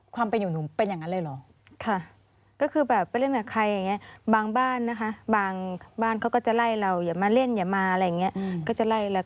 ความเป็นอยู่หนูเป็นอย่างนั้นเลยเหรอ